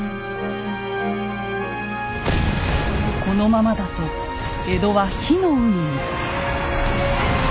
このままだと江戸は火の海に。